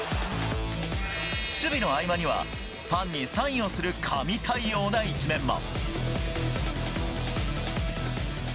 守備の合間には、ファンにサインをする神対応な一面も。